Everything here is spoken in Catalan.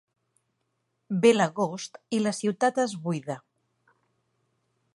Ve l'agost i la ciutat es buida.